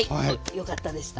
よかったでした。